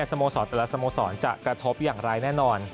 สโมสรแต่ละสโมสรจะกระทบอย่างไรแน่นอน